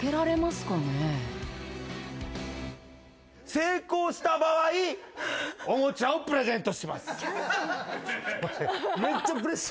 成功した場合おもちゃをプレゼントします。